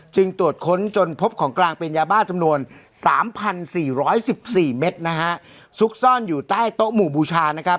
ตรวจค้นจนพบของกลางเป็นยาบ้าจำนวน๓๔๑๔เมตรนะฮะซุกซ่อนอยู่ใต้โต๊ะหมู่บูชานะครับ